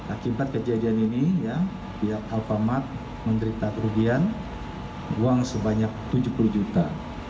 akibat kejadian ini ya pihak alfamat menerita kerugian uang sebanyak tujuh puluh juta